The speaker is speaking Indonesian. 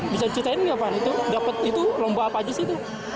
bisa ceritain gak pak itu lomba apa aja sih itu